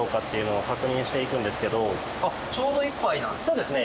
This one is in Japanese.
そうですね。